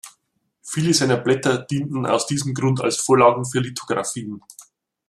Viele seiner Blätter dienten aus diesem Grund als Vorlagen für Lithographien.